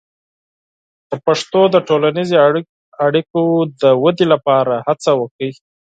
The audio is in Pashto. د پښتو د ټولنیزې اړیکو د ودې لپاره هڅه وکړئ.